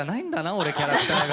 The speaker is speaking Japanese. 俺キャラクターが。